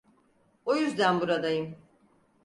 O yüzden buradayım.